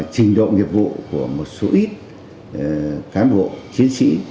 trình độ nghiệp vụ của một số ít cán bộ chiến sĩ